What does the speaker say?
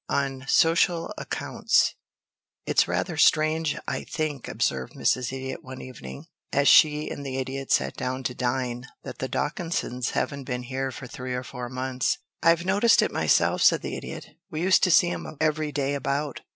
IX ON SOCIAL ACCOUNTS "It's rather strange, I think," observed Mrs. Idiot one evening, as she and the Idiot sat down to dine, "that the Dawkinses haven't been here for three or four months." "I've noticed it myself," said the Idiot. "We used to see 'em every day about.